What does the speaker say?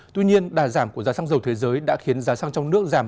tuy nhiên đà giảm của giá xăng dầu thế giới đã khiến giá xăng trong nước giảm